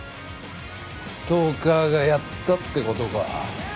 ストーカーがやったってことか。